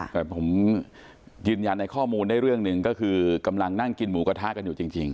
แต่ผมยืนยันในข้อมูลได้เรื่องหนึ่งก็คือกำลังนั่งกินหมูกระทะกันอยู่จริง